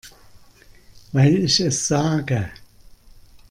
Weil ich es sage.